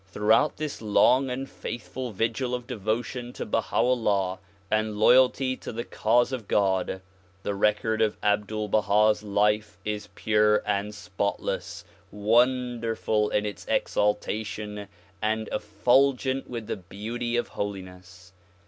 Throughout this long and faithful vigil of devotion to Baha 'Ullah and loyalty to the cause of God, the record of Abdul Baha's life is pure and spotless, wonderful in its exaltation and effulgent with the beauty of holiness.